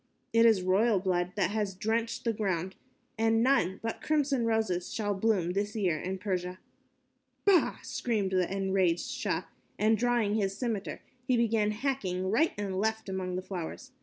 It is royal blood that has drenched the ground, and none but crimson roses shall bloom this year in Persia." "Bah!" screamed the enraged Shah and, drawing his scimitar, he began hacking right and left among the flowers.